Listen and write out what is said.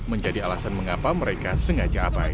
menjadi alasan mengapa mereka sengaja abai